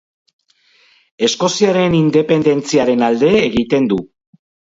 Eskoziaren independentziaren alde egiten du.